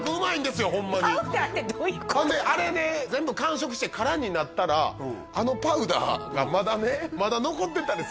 ほんであれね全部完食してカラになったらあのパウダーがまだねまだ残ってたりするでしょ